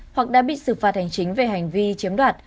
hoặc đã bị xử phạt hành chính về hành vi chiếm đoạt